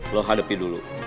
lo hadapi dulu